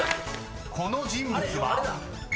［この人物は？］